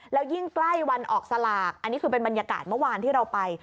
แล้วยิ่งใกล้วันออกสลากอันนี้คือเป็นบรรยากาศเมื่อวานที่เราไป